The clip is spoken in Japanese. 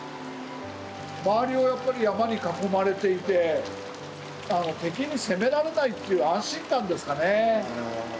周りをやっぱり山に囲まれていて敵に攻められないという安心感ですかね。